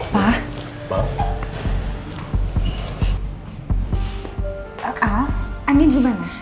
pak andien dimana